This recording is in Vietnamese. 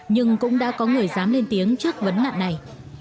nhưng cũng đã có người dám lên tiếng trước vấn nạn này